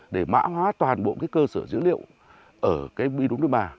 để mã hóa toàn bộ cái cơ sở dữ liệu ở cái bi đúng bà